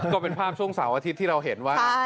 ก็เป็นภาพช่วงเสาร์อาทิตย์ที่เราเห็นว่า